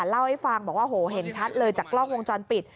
เล่าให้ฟังบอกว่าโหเห็นชัดเลยจากกล้องวงจรปิด